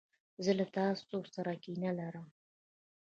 زه له تاسو سره کینه لرم.